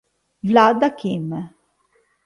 Vlad Achim